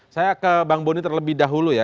saya ke bang boni terlebih dahulu ya